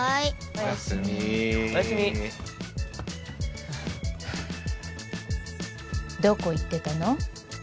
おやすみおやすみどこ行ってたの？